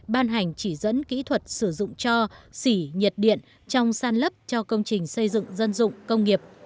ban hành chỉ dẫn kỹ thuật sử dụng cho xỉ nhiệt điện trong san lấp cho công trình xây dựng dân dụng công nghiệp